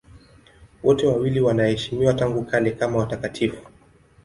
Wote wawili wanaheshimiwa tangu kale kama watakatifu.